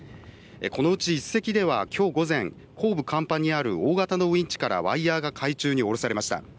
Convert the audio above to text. このうち１隻では、きょう午前後部甲板にある大型のウインチからワイヤーが海中に下ろされました。